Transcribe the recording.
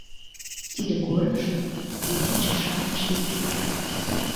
— Тиде корнышто вуянче-шамыч деч лӱд...